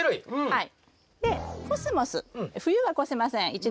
はい。